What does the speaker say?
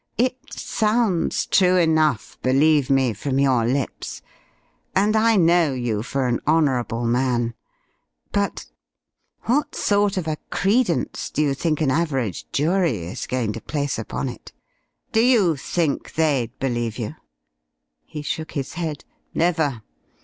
"It sounds true enough, believe me, from your lips, and I know you for an honourable man; but what sort of a credence do you think an average jury is going to place upon it? D'you think they'd believe you?" He shook his head. "Never.